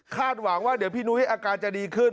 หวังว่าเดี๋ยวพี่นุ้ยอาการจะดีขึ้น